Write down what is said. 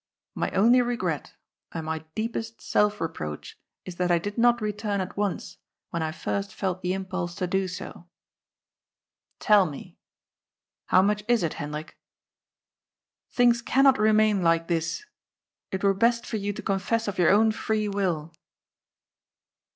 My only regret, and my deepest self reproach, is that I did not return at once, when I first felt the im pulse to do so. Tell me. How much is it, Hendrik? Things cannot remain like this ! It were best for you to confess of your own free will."